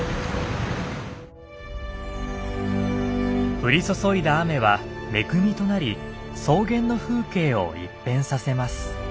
降り注いだ雨は恵みとなり草原の風景を一変させます。